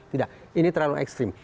tidak ini terlalu ekstrim